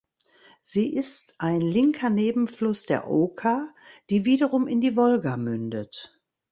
Sie ist ein linker Nebenfluss der Oka, die wiederum in die Wolga mündet.